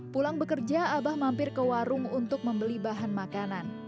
pulang bekerja abah mampir ke warung untuk membeli bahan makanan